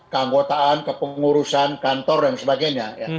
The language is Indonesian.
keanggotaan kepengurusan kantor dan sebagainya